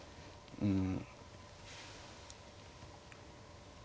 うん。